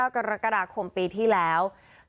กรกฎาคมปีที่แล้ว